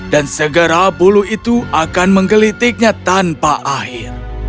dan segera bulu itu akan menggelitiknya tanpa akhir